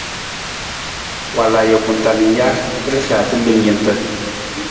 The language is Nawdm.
Wal ajuku ta na ng ja rihaata lem jantna.